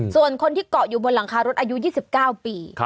ส่วนคนที่เกาะอยู่บนหลังคารถอายุ๒๙ปี